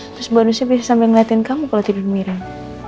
terus bonusnya bisa sambil ngeliatin kamu kalau tidur miral